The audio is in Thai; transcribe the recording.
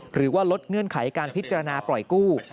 หรือว่าลดเงื่อนไขการพิจารณาปล่อยกู้